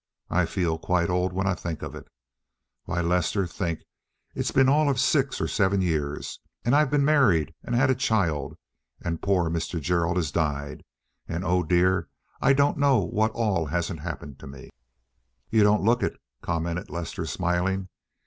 I feel quite old when I think of it. Why, Lester, think; it's been all of six or seven years! And I've been married and had a child, and poor Mr. Gerald has died, and oh, dear, I don't know what all hasn't happened to me." "You don't look it," commented Lester, smiling.